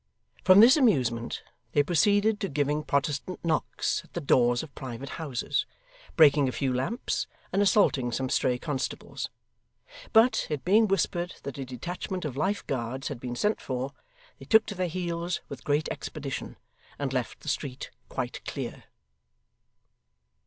From this amusement, they proceeded to giving Protestant knocks at the doors of private houses, breaking a few lamps, and assaulting some stray constables. But, it being whispered that a detachment of Life Guards had been sent for, they took to their heels with great expedition, and left the street quite clear.